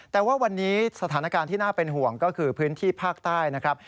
แต่ว่าวันนี้สถานการณ์ที่น่าเป็นห่วงก็คือพื้นที่ภาคใต้นะครับ